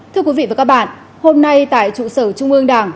thưa quý vị và các bạn hôm nay tại trụ sở trung ương đảng